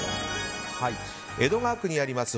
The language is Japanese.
江戸川区にあります